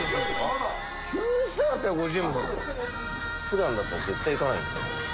普段だったら絶対いかない。